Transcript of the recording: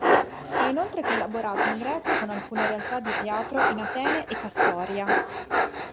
Ha inoltre collaborato in Grecia con alcune realtà di teatro in Atene e Kastoria.